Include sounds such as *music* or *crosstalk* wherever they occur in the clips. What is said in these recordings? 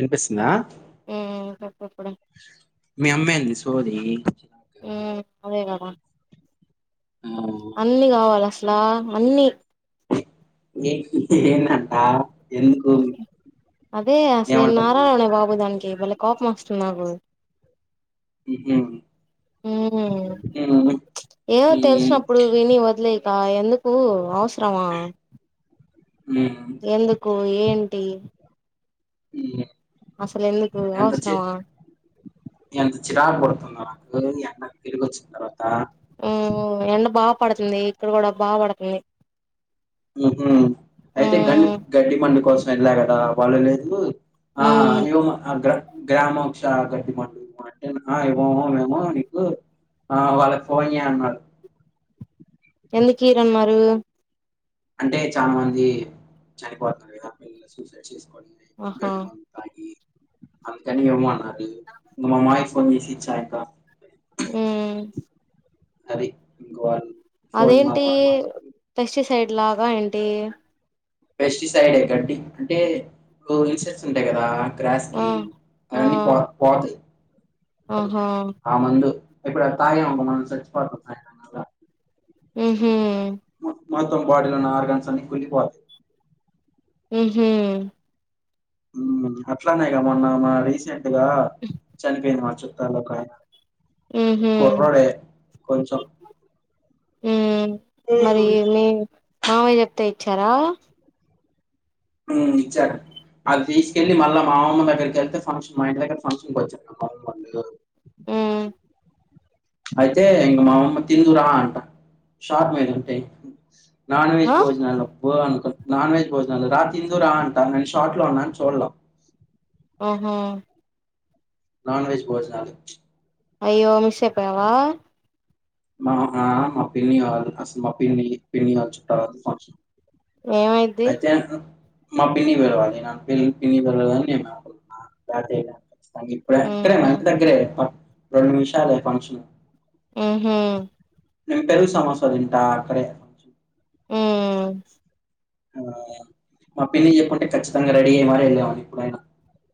ఇనిపిస్తుందా ఉమ్ పెప్పుడే మీ అమ్మేంది సోదీ పన్ అన్నీ కావాలి ఆ అన్నీ ఏ ఏందంట ఎందుకు అదే అసలు నేను ఏమంటుంది నారాయణనే బాబు దానికి ఏ బలే కోపం వస్తుంది నాకు ఉమ్ హూ ఊమ్ ఏమో తెలిసినప్పుడు విని వదిలేయ కా ఎందుకు అవసరమా ఉమ్ ఎందుకు ఏంటి ఉమ్ అసలు ఎందుకు ఎంత చి అవసరమా ఎంత చిరాకు పుడుతుందో నువ్వు మీ అన్న తిరిగి వచ్చిన తర్వాత ఉమ్ ఎండ బాగా పడుతుంది ఇక్కడ కూడా బాగా పడుతుంది ఉమ్ హూ అయితే గం ఉమ్ గడ్డి మండి కోసం ఎల్లాగదా వల్ల లేదు ఆ ఉమ్ ఇవ అ గ్ర గ్రామంసా గడ్డి మందు ఇయి అంటే ఆ ఇవ్వము మేము నీకు ఆ వాళ్ళకి ఫోన్ చెయ్యి అన్నాడు ఎందుకు ఇయర్ అన్నారు అంటే చాలా మంది చనిపోతున్నారు కదా పిల్లలు సూసైడ్ చేసు కొని ఆహా గడ్డి మందు తాగి అందుకని ఏమో నాకు తెలియదు నాడి *unintelligible* ఊ అది *unintelligible* మా అదేంటి మామయ్య మాట్లాడుతూ ప్రేషస్ సైడ్ లాగా ఏంటి పెస్టిసైడ్ గడ్డి అంటే ఇన్సెక్ట్స్ ఉంటాయి కదా ఆ గ్రాస్కి అలాన్నీ ఆ పోతయి అది ఆహా ఆ మందు ఎప్పుడు ఎల్తానే ఉంటం మనం సచ్చిపోతం *unintelligible* ఉమ్ హూ మొత్తం బాడీలో ఉన్న ఆర్గన్స్ అన్ని కుల్లిపోతాయి ఉమ్ హూ ఉమ్ అట్లానేగా మొన్న మ రీసెంట్ గా చనిపోయింది మార్చు తలకాయ ఉహు కుర్రోడే కొంచం ఊ మరి మీ మావయ్య చెప్తే చారా ఇచ్చాడు అది తీసుకెళ్ళి మళ్ళా మా అమ్మమ్మ దగ్గరికి వెళ్తే ఫంక్షన్ మా ఇంటి దగ్గర ఫంక్షన్కి వచ్చాడు మామ్మళ్ళ హు అయితే ఇంక మా అమ్మమ్మ తిందురా అంట షార్ట్ మీద ఉంటే నాన్ వెజ్ ఆ భోజనాలు *unintelligible* నాన్ వెెజ్ భోజనాలు రా తిందురా రా అంటా నేను షార్ట్ లో ఉన్నా చూలేం ఓహో నాన్ వెెజ్ భోజనాలు అయ్యో మిస్ ఐపోయావా మా మా పిన్నివాళ్ళు అసలు మా పిన్ని పిన్నివాళ్ళ చుట్టలది పంక్షన్ ఏమైద్ది మా పిన్ని *unintelligible* *unintelligible* మా ఉహు ఇంటి దగ్గరే రెండు నిమిషాలే ఫంక్షన్ ఉహు నేను పెరుగు సమోసా తింట అక్కడే హు ఆ మా పిన్ని చెప్పుంటే ఖచ్చితంగా రెడీ అయ్య మార వెళ్ళవాన్నీ ఎప్పుడైనా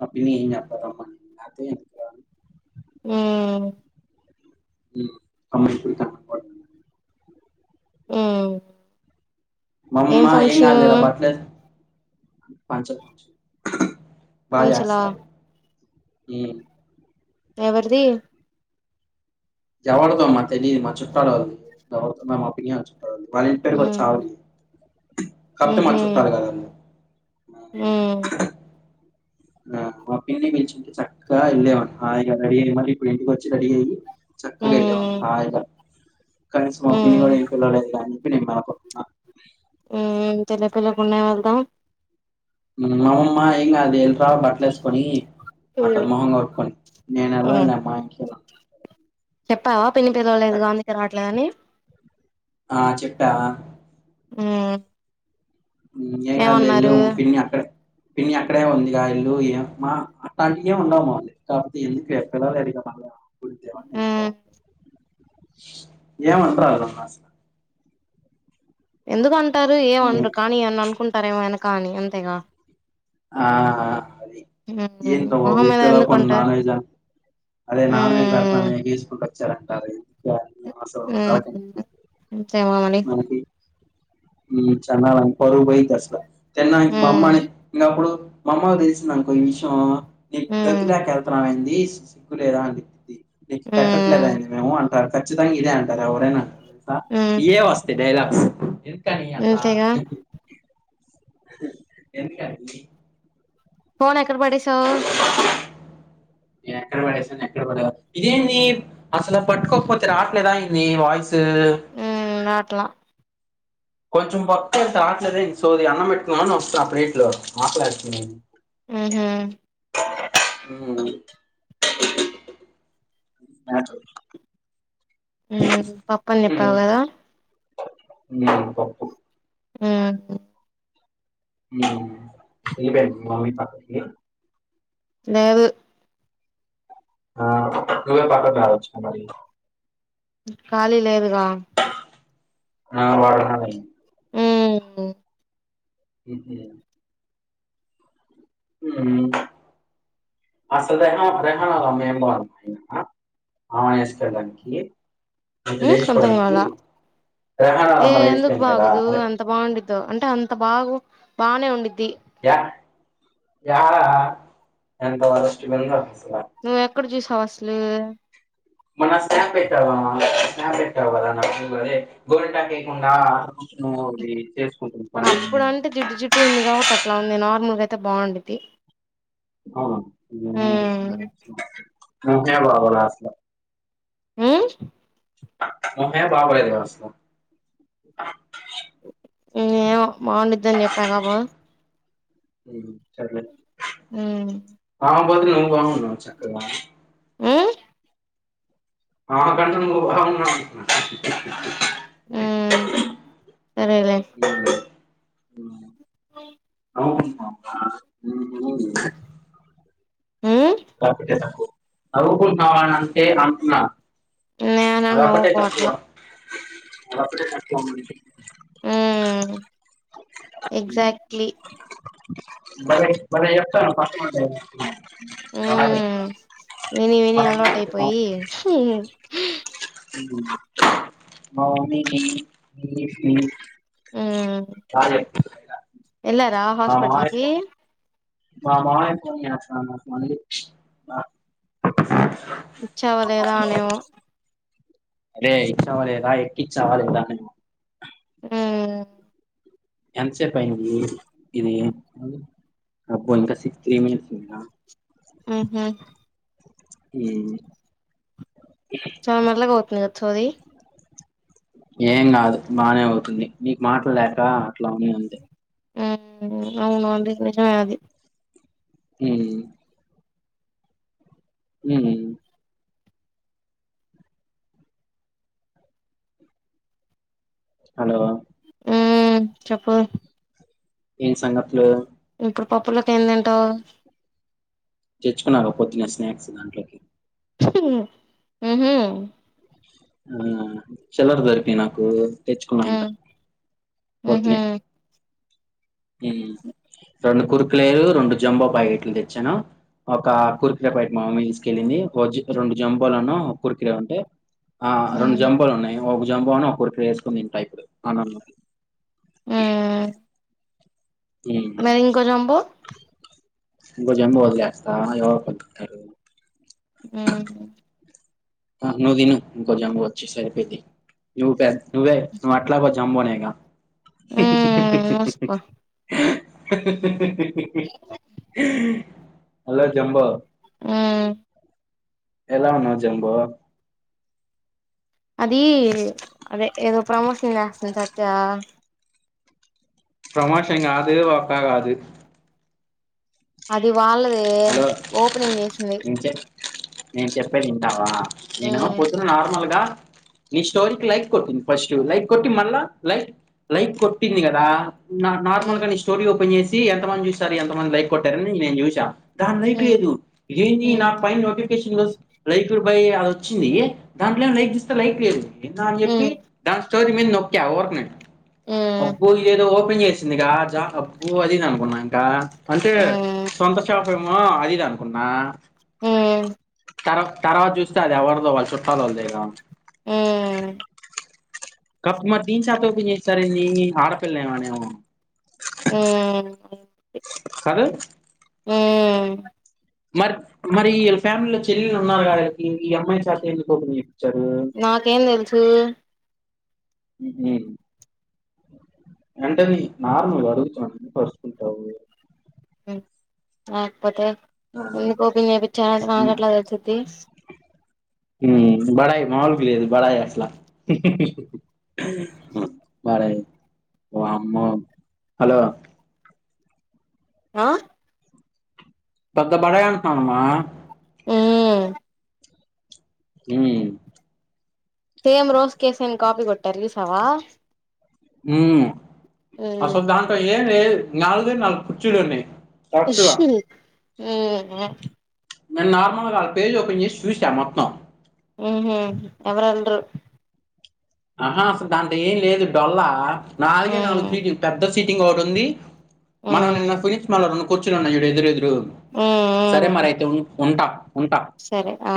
మా పిన్ని ఎమ్ చెప్పాలే రమ్మని హు *unintelligible* ఆ మమ్మా ఏంంగ్ కాద్లేరా బట్లే పంచ పంచలా బాజేస్సారు ఈ ఎవరిది ఎవరిదో మా తెలీదు మా చోట్టాలందితో మ మాపి వాళ్ళ ఇంటి పేరు గూడా ఉహు వచ్చ ఆవి కాకపోతే మన ఉహు చుట్టాలి కదన్నీ ఉమ్ ఆ మా పిన్ని పిల్చింటే చక్కగా యెళ్ళేవాన్ని హాయిగా రెడీ అయ్యి మరి ఇప్పుడు ఇంటికొచ్చి రెడీ అయ్యి చక్కగా వెళ్ళే వాన్ని ఉమ్ హాయిగా కనీసం పిన్నీ ఉమ్ కూడా ఏం పిల్లవలేదు కానీ *unintelligible* తెల్ల పిల్లలకున్నా వెళ్దాం మా అమ్మమ్మ ఎమ్ కాదులే బట్టలు వేసుకొని అట్ట మొహంగ కొడుకొని నేను ఉమ్ వెళ్ళను *unintelligible* చెప్పావా పిన్ని పిలవలేదుగా అందుకే అట్లానే ఆ చెప్పా ఉ ఉ ఏం గల్లీల్లు పిన్ని అక్కడే పిన్ని అక్కడే ఉందిగా ఇల్లు ఏ మా అట్లాంటివి ఏము ఉండవు మామీ కాకపోతే ఎందుకు ఎప్పలలేరు కదా ఆ ఏమన్రాళ్ళు నాసు ఎందు ంటరు హ్మ్. ఏమన్రు కానీ ఎమన్నా అనుకుంటారువకు కానీ అంతేగా ఆ అద ఉమ్ ఏంత మొహం మీద ఇప్పేలా కొన్ని ఎందుకంటారు నాన్ వెజ్ అని అదే నాన్ వెజ్ పెడతానుసుకుంట చలాంటాల ఉ మని ఉ చండాలం పరువు పోయిద్దసల తిన్నా మా ఉమ్ అమ్మని ఇంకప్పుడు మామ్మకు తెలిసిందనుకో ఈ విషయం నీ ఉమ్ గతిలేకెళ్తాన్నం ఏంది తీ సిగ్గులేదా అంది నీకు పెట్టట్లేద ఉమ్ యనము ఖచ్చితంగా ఇదే అంటారు ఎవరేనా ా ఉమ్ ఇడే వస్తయ్ డైలాగ్స్ ఏంద్ కని అట్లా అంతేగా ఎంత కాడితివి పోలేక్ క్క పడే స నేను ఎక్కడ పడేసాను ఎక్కడ పడదా ఇదేంది అసలు పట్టుకోకపోతే రావట్లేదా నీ వాయిస్ స ఉమ్ రాట్లా కొంచెం పొత్తం అంత ఆట్లేదే సోది అన్నమ్ పెట్కున్నా ప్లేట్ ఆకలేస్తుంది ఉహు ఉ ఉమ్ పప్పు అని చెప్పావు కదా ఉమ్ పప్ ఉమ్ ఉమ్ వెలిపో మమ్మీ పక్కకి లేదు ఆ పక్క బాగొట్టారు బారుచ్చ మరి ఖాళీ లేదుగా ఆ వా హ ఊహు ఇంతే ఉమ్ అసలు రహ రహణాల మేబారం అయినా ఆమేసుకోడానికి ఉ సొంతంగాన రెహాన్ వాళ్ళ ఏ అమ్మ ఎందుకు లేచిపోయింది కదా బాగోదు అదే ఎంత బాగుండిద్దో అంటే అంత బాగు బానే ఉండిద్ది య యాడ ఎంత వరెస్ట్ గ ఉందొ నువ్వు ఎక్కడ్ చూస్ కాస్ట్ లే మొన్న స్నాప్ పెట్టావ స్నాప్ పెట్టావ్ కదా. నాకు అదే గోరింటాకు వేయకుండా అ ఇవి చేస్ అప్పుడు అంటే జిడ్డు జిడ్డు ఉంది కాబట్టి అట్ అట్లా ఉంది నార్మల్గా అయితే బాగుండిద్ది ఆ ఏమో మరి నాకు ఉమ్ నచ్చలేదు ఇంకేం బాబు లాస్లో ఉ వంకాయ బాగ బయద వస్ ఏమో బాగుంద్దని చెప్పా కా బా ఉ సర హ్మ్ పాత్ర నువ్ బాగున్నా చక్కగా ఉమ్ ఆమ కంటే నువ్ ఒకదాన్నివే అనుకున్న ఉ సరేలే హ్ ఉ *unintelligible* అ హు కాబట్టే నవ్వుకున్నావానింటే అంటున్నా నేన నో కోట్లా అప్పుడే *unintelligible* ఊ మ్ ఉమ్, ఎక్జాక్ట్లీ భలే భలే చెప్తానావు ఫాస్టింగ్ ఉండమని ఉమ్ విని విని అలవాటు అయిపోయి మనిని న అదే ఎల్లారా హాస్పిటల్కి మా మామయ్య ఫోన్ చేస్తాన్నాడు నాక్ మళ్ళీ ఇచ్చవా లేదా అనేమో అరే ఇచ్చావ లేదా ఎట్టిచావ్ ఉహ్ ఎంత సేపైంది ఇది అబ్బో ఇంక సిక్స్ త్రీ మినిట్స్ ఉందా ఉహు ఏ చాలా మెల్లగా అవుతాది గా సోది ఏం కాదు బానే అవుతుంది నీకు మాట్లూలేక అట్లా వుంది అంతే ఉహ్ అవునవును నిజేమే లే అది హు హు హలో ఆ చెప్పు ఏం సంగతులు ఇప్పుడు పప్పులొకి ఏందింటావు తెచ్చుకున్నాను పొద్దునే స్నాక్స్ దాంట్లోకి ఊ హు ఆ చిల్లర్ దొరికినయి నాకు తెచ్చుకున్నా ఇంకా ఉమ్ ఉహు పొద్దునే హు రెండు కుర్ కురేలు రెండు జంబో ప్యాకెట్లు తెచ్చాను ఒక కుర్ ఇగ ఫైడ్ మామీ తీసుకెళ్లింది రెండు జంబోలను ఒక కుర్ కురే ఉంటే ఆ రెండు ఉమ్ జంబోలు ఉన్నాయి ఒక జంబో అను ఒక కుర్ కురే వేసుకుంది తింట ఇప్పుడు అన్నంలో ఉమ్ ఉమ్. మరి ఇంకో జంబో ఇంకో జెంబో వదిలేస్తా అది ఎవరోకరు తింటారు ఉహ్ నువ్ తిను ఇంకో జంబో వచ్చి సరిపోద్ది నువ్వే నువ్ అట్లాగో జంబోనేగా ఉమ్ మూసుకో స స హలో జంబో ఆమ్ ఎలా ఉన్నా జంబో అది అదే ఏదో ప్రమోషన్ చేస్తోంది సత్య ప్రమోషన్ ఎం కాదు వాక్క కాదు అది వాళ్ళ దే దే ఓపెనింగ్ చేసింది ఇంకే నేను చెప్పేది వింటావా నేను ఉమ్ పోద్దున్నా నార్మల్ గా నీ స్టోరీకి లైక్ కొట్టింది ఫస్ట్ లైక్ కొట్టి మళ్ళా లైక్ లైక్ కొట్టింది కదా నా ఉమ్ నార్మల్గా ని స్టోరీ ఓపెన్ చేసి ఎంత మంది చూస్తారు ఎంత మంది లైక్ కొట్టారని నేను చూశా దాని లైక్ ఉమ్ లేదు దీనీయి నా ఉమ్ పైన నోటిపికేషన్ నోటిఫికేషన్ లో లైక్డ్ బై వచ్చింది దాంట్లో ఏం లైక్ చూస్తే లైక్ లేదు నిన్న అని చెప్పి ఉమ్ దాన్ని ట్యాపి మీద నోక్యా ఉరకనే ఉమ్ అబ్బో ఎధో పన్ చేసిందిగా జాబ్ అదింది అనుకున్నా ఇంకా అంటే సొంత షాప్ స మా అదిదా ఉనా ఉమ్ తర్వా తవాత చూస్తే అది ఎవరిో వాళ్ళు చుట్టాల వాళ్ళ దగ్గర ఉమ్ కప్పు మ దీని చేత ఓప చేస్తారంది ఆడపిల్ళ ఏమనేమ ఉమ్ ఉమ్ కాదు అమ్ మరి మరి ఇళ్ళ ఫ్యామిలీలో చెల్లెలు ఉన్నారు కాదా దీనికి ఈ అమ్మాయి చేత ఎందుకు వోపెన్ చేపించారు నాకేం తెలుసు వెంటని నార్మల్ గా అడుగుతున్నాను ఎందుకు అరుచుకుంటావు లేకపోతే ఆ ఎందుకు వోపెన్ చెప్పించారు నాకు ఎట్లా తెలిసిది ఉమ్ బడయి మాముల్ కి బడయి అసలా బడయి వాఅమ్మే హలో ఆ పద్ద బడయా అంటునా మా ఉమ్ ఉమ్ సేమ్ రోస్ కేసేన్ కాపీ కొట్టర చుసవా ఉమ్ అస దాంట ఎమి నలుగే నాలుగు కుచులు ఉనాయి ఉహుమ్ ఉమ్ నేను నార్మల్గా వాళ్ళ పేజ్ ఓపెన్ చేసి చూసా మొత్తం ఉహుమ్ ఎవరల్రు ఆహా అసలు దాంట ఏం లేదు డొల్లా నాలుగే నాలుగు ఉమ్ సీట్ పెద్ద సీట్ టింగ్ ఒకాటి ఉంది ఉమ్ మనవని సునిష్ మ కొచ్చున్న ఎదురుదు రు సరే ఉమ్ ఉమ్ మరియితే ఉంటా సరే ఆ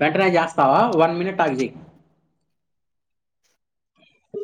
వెంటేన్ చేస్తావా వన్ మినిట్ అగి చెయ్